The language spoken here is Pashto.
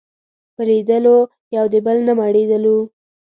په لیدلو یو د بل نه مړېدلو